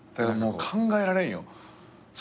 もう考えられんよ。